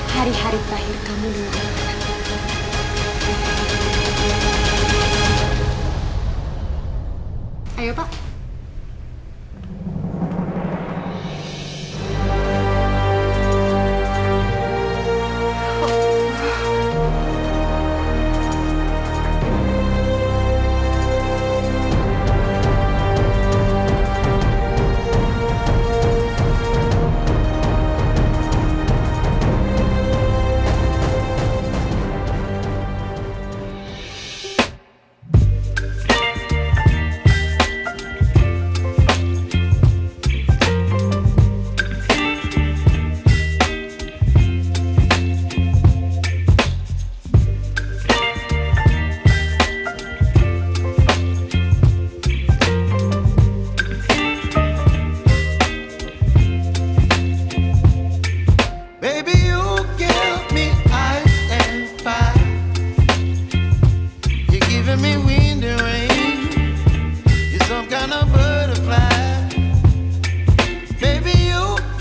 hari hari terakhir kamu